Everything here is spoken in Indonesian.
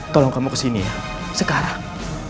tolong kamu kesini ya sekarang